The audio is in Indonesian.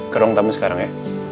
ke ruang tamu sekarang ya